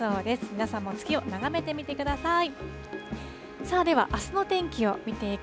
皆さんも月を眺めてみてください。